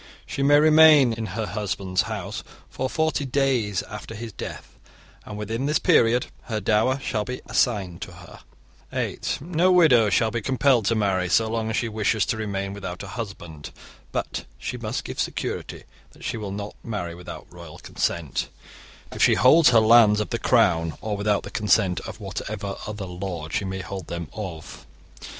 She may remain in her husband's house for forty days after his death, and within this period her dower shall be assigned to her. (8) No widow shall be compelled to marry, so long as she wishes to remain without a husband. But she must give security that she will not marry without royal consent, if she holds her lands of the Crown, or without the consent of whatever other lord she may hold them of.